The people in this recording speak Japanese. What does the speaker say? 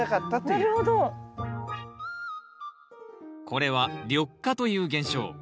これは緑化という現象。